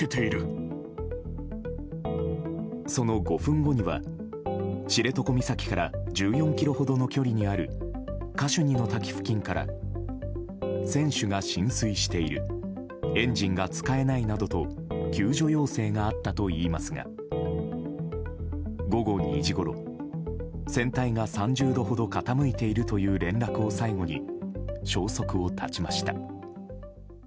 その５分後には、知床岬から１４ｋｍほどの距離にあるカシュニの滝付近から船首が浸水しているエンジンが使えないなどと救助要請があったといいますが午後２時ごろ、船体が３０度ほど傾いているという連絡を最後に、消息を絶ちました。